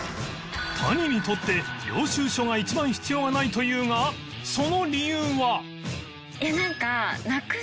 谷にとって領収書が一番必要がないというがその理由は